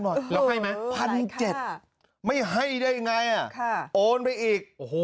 หมดแล้วให้ไหมพันเจ็ดไม่ให้ได้ไงอ่ะค่ะโอนไปอีกโอ้โห